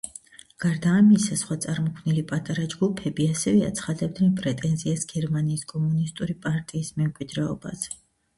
გარდა ამისა, სხვა წარმოქმნილი პატარა ჯგუფები ასევე აცხადებდნენ პრეტენზიას გერმანიის კომუნისტური პარტიის მემკვიდრეობაზე.